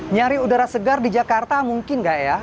nyari udara segar di jakarta mungkin nggak ya